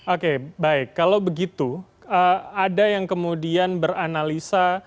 oke baik kalau begitu ada yang kemudian beranalisa